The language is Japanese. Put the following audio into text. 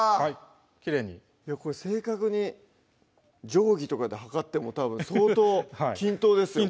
きれいにこれ正確に定規とかで測ってもたぶん相当均等ですよ